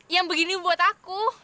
yang begini buat aku